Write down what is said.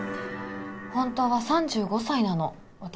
本当は３５歳なの私。